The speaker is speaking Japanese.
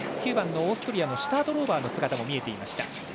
９番のオーストリアのシュタードローバーの姿もありました。